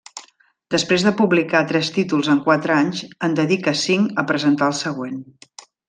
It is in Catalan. Després de publicar tres títols en quatre anys, en dedica cinc a presentar el següent.